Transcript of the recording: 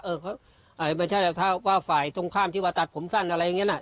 ไม่ใช่แหละถ้าว่าฝ่ายตรงข้ามที่ว่าตัดผมสั้นอะไรอย่างเงี้น่ะ